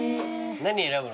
何選ぶの？